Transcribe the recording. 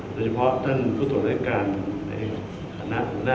โดยเฉพาะท่านผู้ตรวจรายการในคณะ